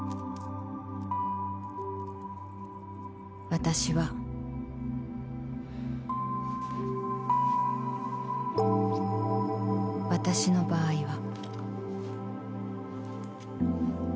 私は私の場合は。